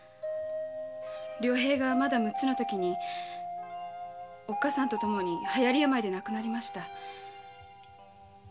良平が六つのときおっかさんとともに流行病で亡くなりました。